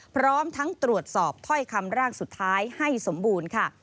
พร้อมทั้งตรวจสอบถ้อยคำร่างสุดท้ายให้สมบูรณ์ค่ะ